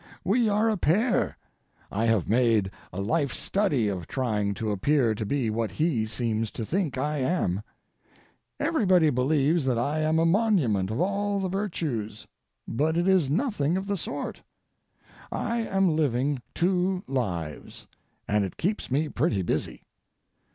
We are a pair. I have made a life study of trying to appear to be what he seems to think I am. Everybody believes that I am a monument of all the virtues, but it is nothing of the sort. I am living two lives, and it keeps me pretty busy.